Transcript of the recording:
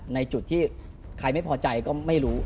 ในจุดที่ใครไม่พอใจก็ไม่รู้